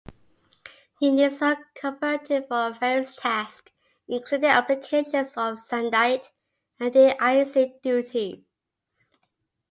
Units were converted for various tasks, including application of sandite, and de-icing duties.